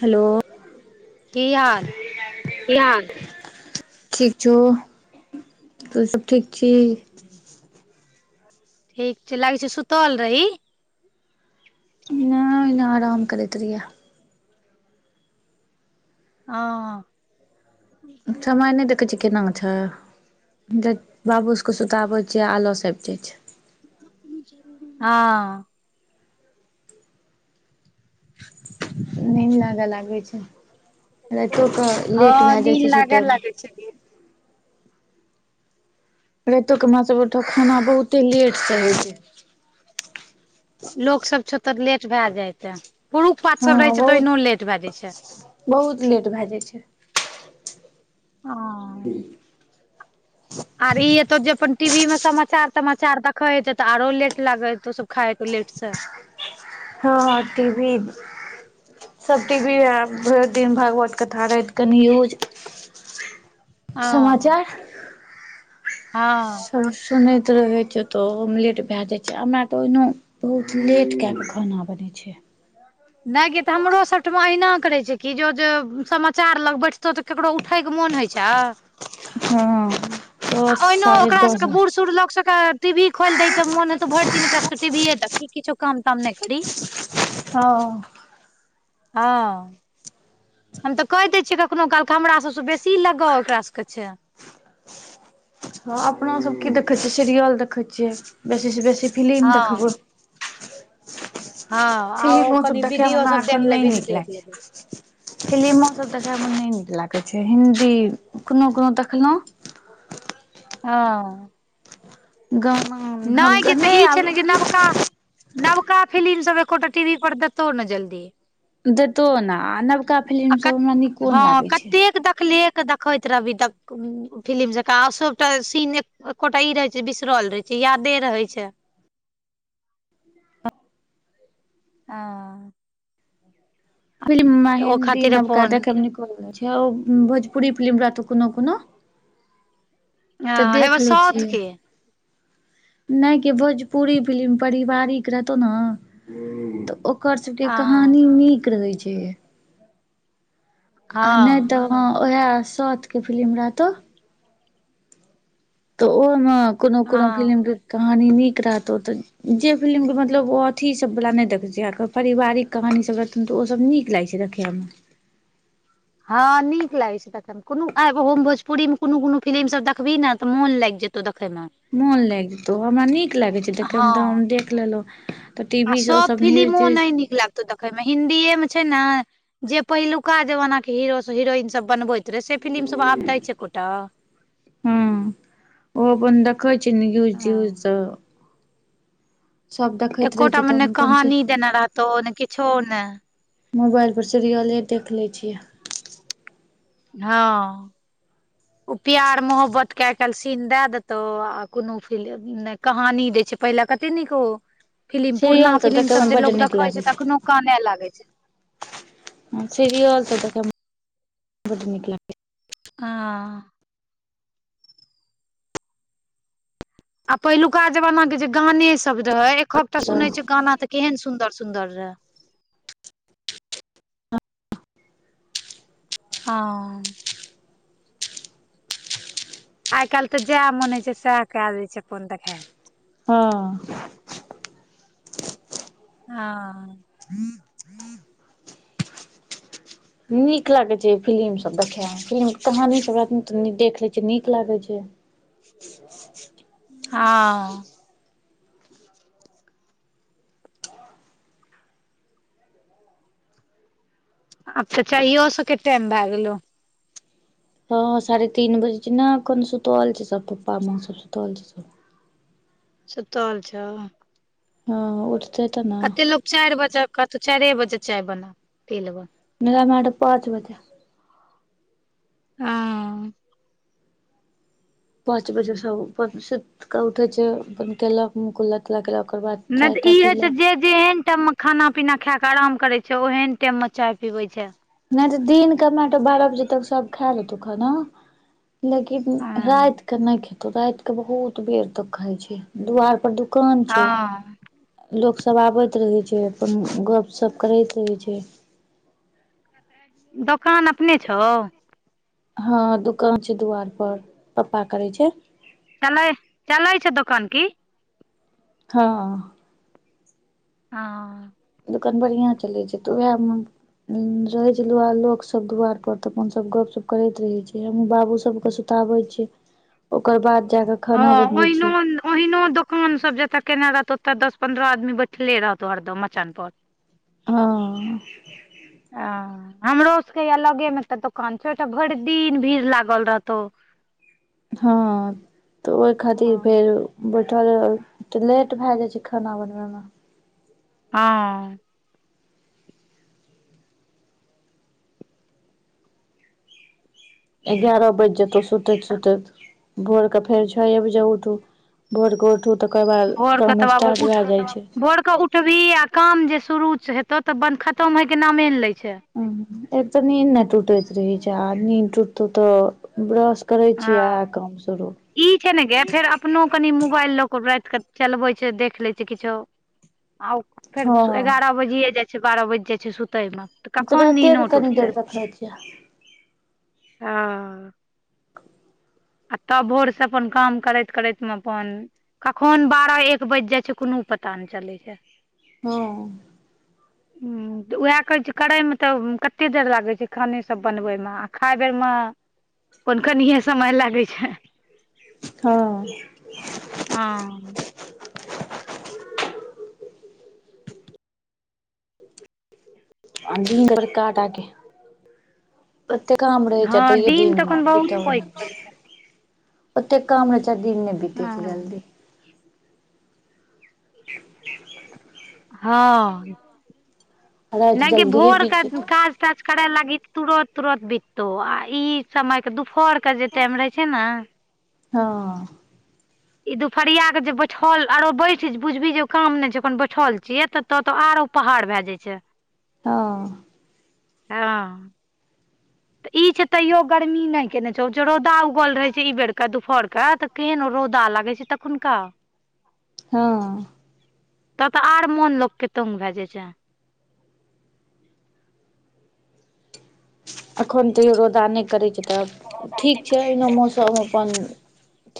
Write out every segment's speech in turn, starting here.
Hello. की हाल की हाल, ठीक छौ, तू सब ठीक छी? ठीक छै, लागै छै सुतल रही। नांइ ओहिना आराम करैत रहियै। आंअ। समय नै देखै छी केना छै जइ बाबू सबके सुताबै छियै आलस आइब जाइ छै। हँ। नींद लागऽ लागै छै राइतो कऽ लेट भेए जाइ छै सुतय म। की छै कि राइतो के हमरा सब ओइठां खाना बहुते लेट सँ होइ छै। लोक सब छौ तऽ लेट भेए जायते पुरुख-पात हँ सब रहै छै तऽ बहुत ओहिनो लेट भेए जाइ छै। बहुत लेट भेए जाइ छै। हँ। ह आर ई एतो जे अपन टी भी में समाचार-तमाचार दखैत छै त आरो लेट लागेतौ सब खाइ तौ लेट से। हँँ टी भी सब टी भी आ भइर दिन भागवत कथा राइत कऽ न्यूज समाचार। हाँ। आ सुनैत रहै छै तऽ ओहो मे लेट भेए जाइ छै हमरा त ओहिनो बहुत लेट केए क खाना बनै छै। नै गे त हमरो सबठमा अहिना करै छै कि जो- जो समाचार लग बैठतो त केकरो उ उठैके मोन होइ छऽ। हँ त ओहिनो ओकरा सबके के बूढ़-सूढ़ लोक सब के टी भी खोइल दै ते मोन हेतौ भइर दिन ओकरा सबके टी भी ये दखी। किछो काम-ताम नै करी। हँ। हँ। हम तऽ कैह दै छियै कखनो काल कऽ हमरा सबसँ बेसी लगाउ ओकरा सबके छै हँ अपना सब की देखै छियै सिरियल देखै छियै बेसी सऽ बेसी फिलिम देखबौ हँ हँ आ ओ फिलिमों हमसब कनि देखय में वीडियो हमरा सब एखन देख नै लेबही तऽ नीक देख लैग लेबही छै। फिलिमो सब देखय में नै नीक लागै छै हिन्दी कुनो-कुनो देखलौं हँ गाम नैय गै छै ई छै न गै नबका नबका फिलिम सब एकोटा टीवी पर देतौ नै जल्दी देतौ ओना आ नबका फिलिम सब हमरा नीको नै लागे छै। एक देखली एक देख देखैत रहबी तक फिलिम जकाँ आ सबटा सीन एकोटा ई रहै छै बिसरल रहै छै छै यादे रहै छै। हाँ फिल्म में तऽ ओ हेन्दी खातिर नबका अपन देखऽ में नीको लगै छै ओ भोजपुरी फिलिम रहतौ कुनो-कुनो तऽ हँ देख हेबे लै साउथ छियै के नै के भोजपुरी फिलिम परिवारिक रहतौ न तऽ ओकर सबके कहानी हँ नीक रहै छै। आ नै हँ तऽ ह ओहै साउथ के फिलिम रहतौ। तऽ ओहो में कोनो-कोनो फिलिम हँ के कहानी नीक रहतौ तऽ जे फिलिम के मतलब ओ अथी सब वला नै देखै छिये कऽ परिवारिक कहानी सब रहतौ तऽ ओसब नीक लागै छै देखै में हँ नीक लागै छै तखन कोनो आय ब भोजपुरी में कुनु-कुनु फिलिम सब देखबही न तऽ मोन लाइग जेतौ देखऽ में मोन लाइग जेतौ हमरा नीक लागै छै देखऽ हँ में तऽ हम देख लेलौं आ सब फिलिमो नहि नीक लागै तऽ देखे में हिन्दीए में छै ने जे पहिलुका जमाना के हीरो सब हिरोइन सब बनबैत से फिलिम सब आब दै छै एकोटा हू ओ अपन देखइ छै न्यूज-त्यूज हँ स रहै एकोटा छै मे तऽ ने हम अपन से कहानी देने रहतौ ने किछो ने मोबाइल पर सीरियले देख लै छियै। हँ ओ प्यार-मोहब्बत के आई-काईल सीन दय देतो आ कोनो फिलम कहानी देय छै पहिले कते नीक ओ फिलिम पुरना सीरियल फिलिम देखैमे सब जे बड्ड लोग नीक देखे छै अखनो काने लागे छै। ह सिरियल त बड नीक लागै हँ आ पहिलुका जमाना के जे गाने सब रहे एकहकटा सुनने छै गाना त केहन सुंदर सुंदर रै। हँ आइ काल्हि तऽ जेह मन होे छै सेह कै दय छै अपन देखाय हँ हँ नीक लागै छै फिलिमसब देखयमे फिलिमके कहानीसब रहथिन तऽ नीक देख लै छीयै नीक लागैत छै हँ ऽ अच्छा चाहियो सब के टाइम भए गेलौ। हँ साढ़े तीन बजे छै ने, कने सुतल छै सब, पप्पा माँ सब सुतल छै सब। सुतल छौ। हँ उठतै तऽ ना। कते लोक चारि बजे कहतौ, तू चारिए बजे चाय बना, पी लेबय। मेरा यहाँ त पाँच बजे। हुं। पाँच बजेसँ अपन सुइत क उठै छै, बनतै या। कुला तुला केलक, ओकर बाद नहि चाय तऽ ई ताय होइ छै पीलक। जे जेहन टाइम मे खाना पीना खाय के आराम करै छै, ओहन टाइम में चाय पीबै छै। नहि तऽ दिन के नै त बारह बजे तक सब खा लेतौ खाना। लेकिन हँ राति के नै खेतौ, राति के बहुत बेर तक खाय छै, दुवार पर दु कान छै। हँ लोकसभ आबैत रहै छै अपन गपशप करैत रहै छै। दोकान अपने छौ। हँ दुकान छै दुआर पर, पप्पा करै छै। चलै, चलै छै दोकान कि? हँ। हां। दोकान बढ़िआं चलै छै तऽ उएह मे रहे छै दु लोक सब दुवार पर त अपन सब गप सप करैत रहे छै, हम बाबू सब के बताबै छै, ओकर बाद जाकऽ हँ ओहिनोन अहिनो कान सब जतय केने रहत ओतय दस पन्द्रह आदमी बैठले रहतौ हरदम मचान पर। हँ। आ। हमरो सबके यै लगे मे एकटा दोकान छै तऽ भरि दिन भीड़ लागल रहतौ। हँ तऽ ओय खातिर हँ फेर बैठल तऽ लेट भए जाइ छै खाना बनबै मे। हँ। एगारह बैज जेतौ सुतैत सुतैत। भोरकेऽ फेर छोये बजे उठू, भोरकेऽ उठू तकर बाद भोर के काम तऽ बाबू स्टार्ट उठ भ जाइ छै। भोर क उ ठबीही आ काम जे शुरू हेतौ तऽ खतम होइके नामे ने लै छै। एक तऽ नीन्द नहि टुटैत रहै छै आदमी उठता तऽ ब्रश करै छियै आ हँ काम शुरू ई छै ने गे फेर अपनो कनि मोबाइल लऽ क राति कऽ चलबै छै देख लए छै किछो आ फेर हँ एगारह बजिये जाइ छै बारह बाजि जाइ छै सुतयमे। तऽ हम त कखन रायते क नीनो कनी टूटतै देर देखै छियै। हँ। आ तब भोरसँ अपन काम करैत करैत मे अपन कखन बारह एक बाजि जाइ छै कोनो पता नहि चलै छै। हँ। ह तऽ ओएह कहैत छियौ करैमे तऽ कते देर लागै छै खाने सब बनबै मे आ खाइ बेरमे हुनका अनाहिये समय लागैत छै। हँ। हां। आ दिन त बरका टा के। अते काम रहे छै हँ तइयो दिन दीन तखन बहुत बीतऽ वाला पैघ करै छै नय। ओते काम रहै छै आ दिन नै बीते छै हँ जल्दी। हँ राति नेकी जल्दिए भोर बीत क जेतै काज काज करय लागी तुरत तुरत बिततौ आ ई समय के दुपहर के जे टाइम रहै छै ने हँ। ई दुपहरिया के जे बैठल आरो बैठ बुझबी जे काम नहि छै बैठल छियै त तो आरो पहाड़ भए जाय छै। हँ। हँ। तऽ ई छै तैयो गर्मी नहि केने छो जे रौदा उगल रहैत छै ई बेरके दुपहरके तऽ तेहन रौदा लागै छै तखून का। हँ। त तऽ आर मोन लोकके तंग भ जाइ छै। अखन तैयो रौदा नहि करे छै तब ठीक छै एहने मौसम त अइ मे अपन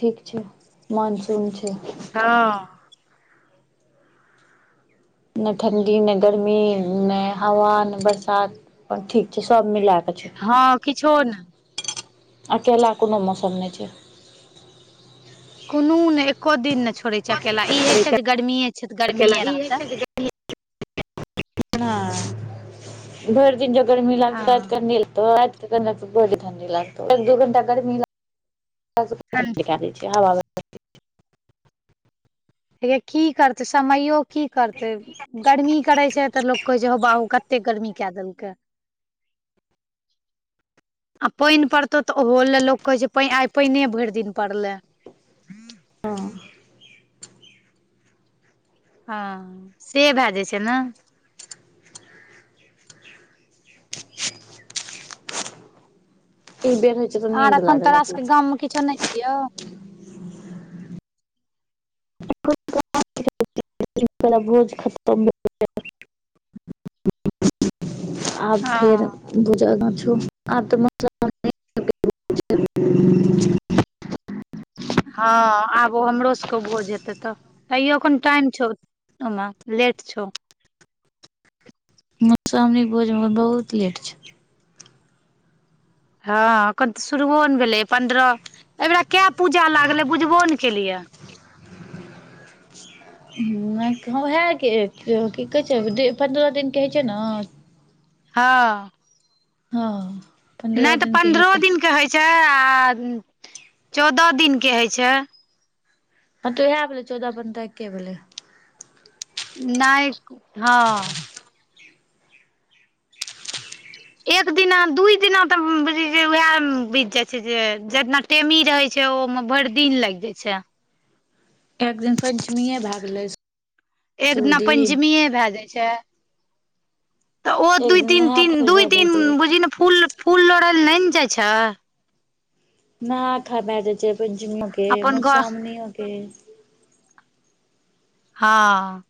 ठीक छै मानसून छै। हँ। ने ठण्डी ने गर्मी ने हवा ने बरसात अपन ठीक छै सब मिला क छै। हँ किछो ने। अकेला कोनो मौसम नहि छै। कोनो ने एको दिन ने छोड़ै छै अकेला ई है छै जे गर्मीे छै तऽ गर्मीेये रहते। [inaudible] भरि दिन जे गर्मी हँ लागते रायतऽ क नय लगतय। बड़ी ठण्डी लागतौ दू घंटा ठण्ड [unintelligible] हवा। हेया की करते समयो की करते। गर्मी करै छै तऽ लोक कहै छै हौ बाऊ कते गर्मी क देलकै। [inaudible] आ पानि पड़तौ तऽ ओहो ले लोक कहे छै आइ पानि भरि दिन पड़ले। हँ। हँ से भए जाय छैय ने। [inaudible] आर अखन लागऽ तोरा लागै सबके गाममे किछो नहि छियौ। एक तोरा भोज खतम भेल [unintelligible] आब हँ फेर दु जगह छौ [unintelligible] हँ आब ओ हमरो सबके भोज हेतै तऽ तैयो एखन टाइम छौ। ओना लेट छौ। मधुश्रावणीक भोज मे एखन बहुत लेट छौ। हँ अखन तऽ शुरुओ ने भेलय पन्द्रह अहिबेरा कय पूजा लागलै बुझबो ने केलियै। नहि हँ उहे के कि कहै छैय पन्द्रह दिनके होय छैय ने। हँ। हँ। पन्द्रह नहि तऽ दिन के पन्द्रहो हेतै दिनके होय छैय आ चौदह दिनके होय छैय। ह त उहे भेलै चौदह पन्द्रह एके भेलै। नहि हँ। एक दिना दू दिना तऽ बुजही जे उहे मे बीत जाय छैय जे टेमी रहय छैय ओमे भरि दिन लागि जाय छैय। एक दिन पंचमीेये भय गेलै। एक शुरू दिना दिन पंचमीये भय जाय छै। तऽ ओ एक दू दिन नहा तीन खाय दू भए जाइ दिन छै बुझही ने फूल फूल लोढ़य लेल नहि ने जाय छै। ना खयबा के चाही पंचमीयो के अपन घर मधुश्रावणीयो के। हाँ।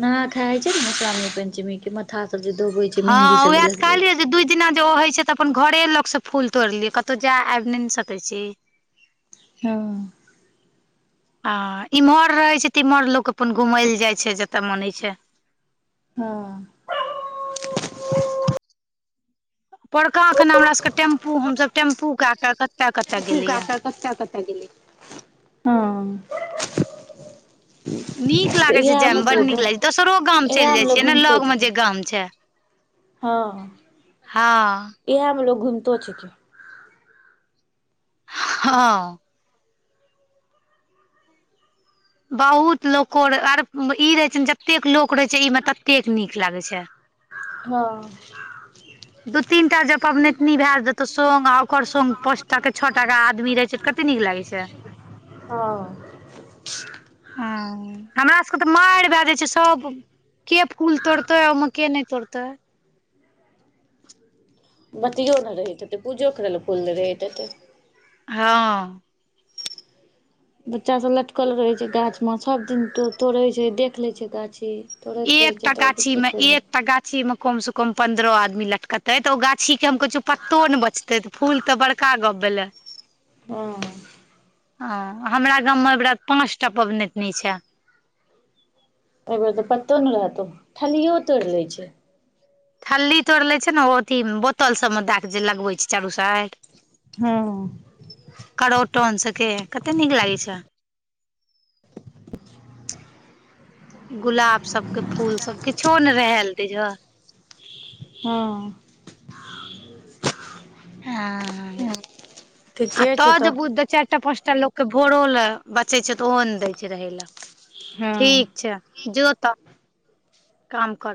नहा खाय छैय न मधश्रावणी पंचमी के माथा सब जे धोवे छै। हँ मेहंदी सब ओहे जे त लगबै कहलियै छै जे दिना जे ओ होय छैय तऽ अपन घरे लग से फूल तोड़ि लियऽ कतउ जाय आबि नहि न सकै छी। हँ। हँ इम्हर रहै छैय तऽ इम्हर लोक अपन घुमै ले जाय छैय जतऽ मोन होइ छै। हँ। पौरकां खना हमरा सबके टेम्पु हम सब टेम्पु कय के कतऽ कतऽ टेम्पु कय गेलियै के कतऽ कतऽ गेलियै, हां। नीक लागय छैय जाय में बड नीक लागय छैय दोसरो गाम चलि इएह मे जाय लोग छियै ने घुमिते लग छै। मे जे गाम छैय। हँ, हँ इहे मे लोक घूमितो छैय कि हँ। बहुत लोको आर ई रहय छैय ने जतेक लोक रहय छैय इ मे ततेक नीक लागय छै। हँ। दू तीन टा ज पबनैतनी भय जेतौ संग आ ओकर संग पाँच टाके छअ टाके आदमी रहै छै कते नीक लागै छै। हँ। हँ हमरा सभके तऽ मारि भय जाइ छैय सब के फूल तोड़तय आ ओहि मे के नहि तोड़तय। बतियो नहि रहय देतै पूजो करय लय फूल नहि रहै देतै। हाँ। बच्चा सभ लटकल रहै छैय गाछमे सभ दिन तोड़ै छैय देख लैय छैय गाछी। ई तोड़ैत रहै छै एकटा तब गाछी की मे एक करबै एकटा गाछी मे कम से कम पंन्द्रह आदमी लटकतै त ओ गाछी के हम कहै छियौ पत्तो ने बचतै। ते फूल तऽ बड़का गप भेलै। हुं। आ हमरा गाममे अइबेरा पाँच टा पबनैतिन छै। अहिबेर तऽ पत्तो ने रहतौ ठल्लियो तोड़ि लै छै। खल्ली तोड़ि लै छै ने ओ अथी बोतल सभमे दए कऽ जे लगबैत छै चारू साइड। हँ। करोटन सब के पेड़ कते नीक लागै छै। गुलाब सबके फूल सबके किछो ने रहैल दैये। हँ। हँ, आ ठीके छौ तऽ जे बुद्धतै चारिटा पाँचटा लोक। के भोरो ले बचे छै तऽ ओहो ने दै छै रहय लऽ हँ ठीक छै। जो तऽ काम करगऽ।